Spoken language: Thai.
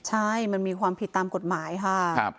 ใช่มันมีความผิดตามกฎหมายค่ะ